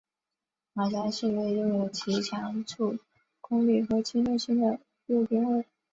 马乔是一位拥有极强助攻力和侵略性的右边卫。